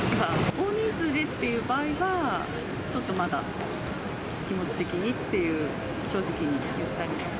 大人数でっていう場合は、ちょっとまだ気持ち的にっていう、正直に言ったりとか。